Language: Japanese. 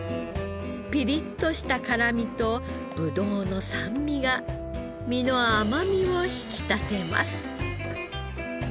ピリッとした辛みとブドウの酸味が身の甘みを引き立てます。